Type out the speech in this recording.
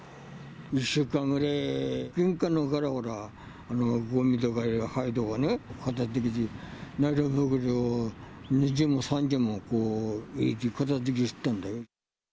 １週間ぐらい、玄関のほうからごみとか灰とかね、片づけて、ナイロン袋を２０も３０も片づけしてたんだよ。